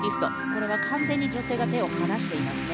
これは完全に女性が手を離していますね。